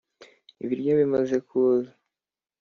" ibiryo bimaza kuza